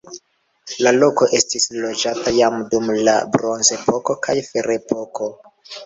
La loko estis loĝata jam dum la bronzepoko kaj ferepoko.